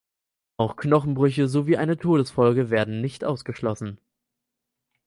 Auch Knochenbrüche sowie eine Todesfolge werden nicht ausgeschlossen.